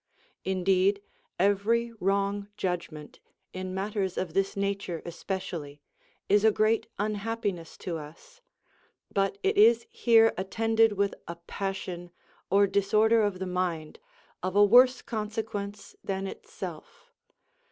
Indeed, every wrong judgment, in matters of this nature especially, is a great unhappiness to us ; but it is here attended with a passion, or disorder of the mind, of a worse consequence than itself.